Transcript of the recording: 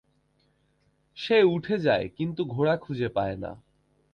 সে উঠে যায় কিন্তু ঘোড়া খুঁজে পায় না।